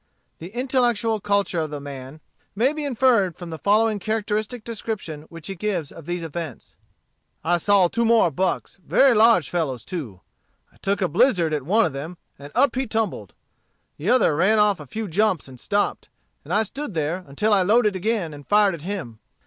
The intellectual culture of the man may be inferred from the following characteristic description which he gives of these events: "I saw two more bucks, very large fellows too. I took a blizzard at one of them, and up he tumbled. The other ran off a few jumps and stopped, and stood there until I loaded again and fired at him.